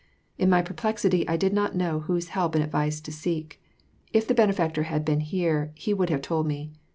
In my perplexity, I did not know whose help and advice to seek. If the Benefactor had been here, he would have told me.